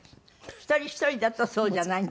一人ひとりだとそうじゃない。